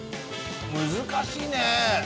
難しいねえ。